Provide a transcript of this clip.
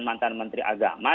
mantan menteri agama